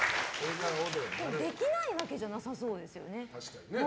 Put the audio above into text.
できないわけじゃなさそうですよね。